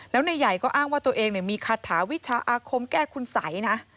แล้วนายใหญ่ก็อ้างว่าตัวเองมีคาถาวิชาอาคมแก้คุณสัยนะ